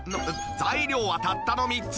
材料はたったの３つ。